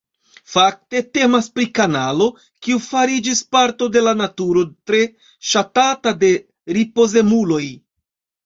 Fakte temas pri kanalo, kiu fariĝis parto de la naturo tre ŝatata de ripozemuloj.